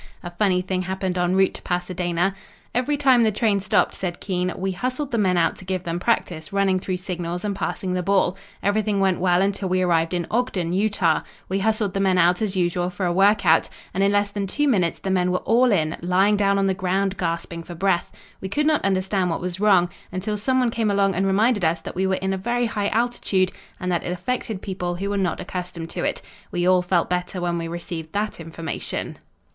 A funny thing happened en route to Pasadena. "Every time the train stopped," said Keene, "we hustled the men out to give them practice running through signals and passing the ball. Everything went well until we arrived in Ogden, Utah. We hustled the men out as usual for a work out, and in less than two minutes the men were all in, lying down on the ground, gasping for breath. We could not understand what was wrong, until some one came along and reminded us that we were in a very high altitude and that it affected people who were not accustomed to it. We all felt better when we received that information."